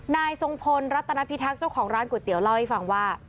นายทรงพลรัตนพิทักษ์เจ้าของร้านก๋วยเตี๋ยเล่าให้ฟังว่า